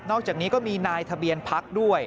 อกจากนี้ก็มีนายทะเบียนพักด้วย